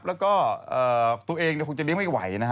แล้วก็ตัวเองคงจะเลี้ยงไม่ไหวนะฮะ